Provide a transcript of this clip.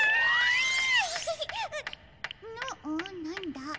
なんだ？